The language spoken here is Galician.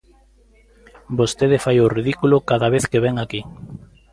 Vostede fai o ridículo cada vez que vén aquí.